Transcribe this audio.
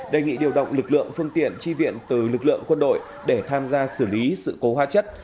đề nghị điều động lực lượng phương tiện chi viện từ lực lượng quân đội để tham gia xử lý sự cố hóa chất